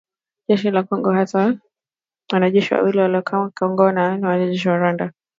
Jeshi la Kongo hata hivyo linasisitiza kwamba “wanajeshi wawili waliokamatwa Kongo ni wanajeshi wa Rwanda"